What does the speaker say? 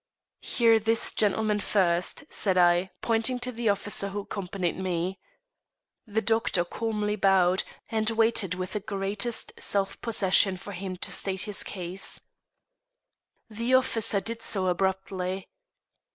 "Hear this gentleman first," said I, pointing to the officer who accompanied me. The doctor calmly bowed, and waited with the greatest self possession for him to state his case. The officer did so abruptly.